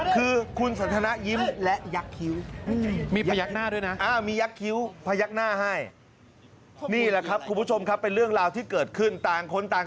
กูไม่ได้เคยรู้จักมึงไอ้สังขวาน